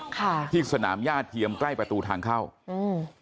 ค่ะที่สนามย่าเทียมใกล้ประตูทางเข้าอืม